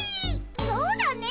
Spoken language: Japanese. そうだね。